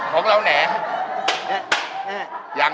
ของเราแหน่